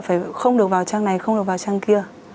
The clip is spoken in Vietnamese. phải không được vào trang này không được vào trang kia